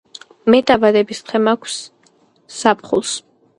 მე დაბადების დღე მაქვს ზაფხულს